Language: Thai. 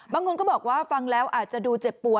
บางคนก็บอกว่าฟังแล้วอาจจะดูเจ็บปวด